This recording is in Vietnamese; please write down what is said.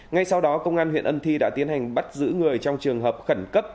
ngay sau đó công an huyện ân thi đã tiến hành bắt giữ người trong trường hợp khẩn cấp